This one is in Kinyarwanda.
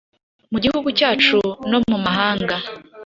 mu gihugu cyacu no mu mahanga